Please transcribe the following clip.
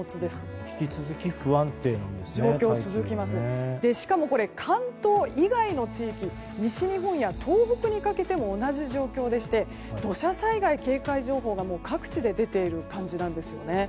しかも、関東以外の地域西日本や東北にかけても同じ状況でして土砂災害警戒情報が各地で出ている感じなんですよね。